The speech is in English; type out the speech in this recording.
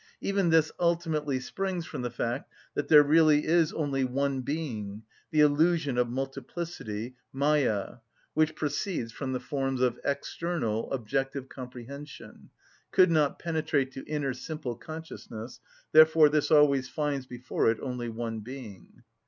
Even this ultimately springs from the fact that there really is only one being; the illusion of multiplicity (Maja), which proceeds from the forms of external, objective comprehension, could not penetrate to inner, simple consciousness; therefore this always finds before it only one being.